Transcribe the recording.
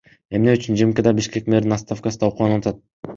Эмне үчүн ЖМКда Бишкек мэринин отставкасы талкууланып атат?